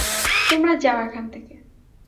তোমরা যাও এখান থেকে।